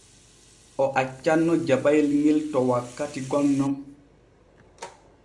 O accanno jabayel ŋel to wakkati gom nun.